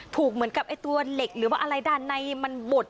เหมือนกับไอ้ตัวเหล็กหรือว่าอะไรด้านในมันบด